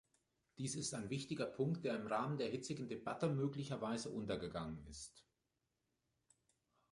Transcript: Dies ist ein wichtiger Punkt, der im Rahmen der hitzigen Debatte möglicherweise untergegangen ist.